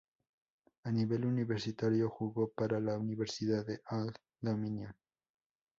A nivel universitario jugó para la Universidad Old Dominion.